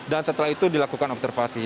dan setelah itu dilakukan observasi